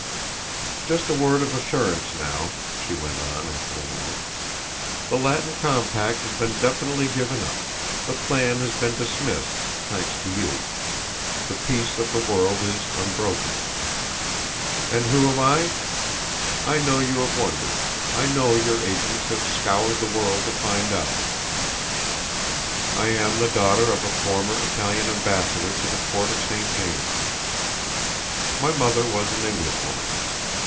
'" "Just a word of assurance now," she went on after a moment. "The Latin compact has been definitely given up; the plan has been dismissed, thanks to you; the peace of the world is unbroken. And who am I? I know you have wondered; I know your agents have scoured the world to find out. I am the daughter of a former Italian ambassador to the Court of St. James. My mother was an English woman.